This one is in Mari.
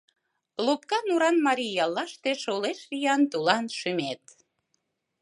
Лопка нуран марий яллаште Шолеш виян тулан шӱмет.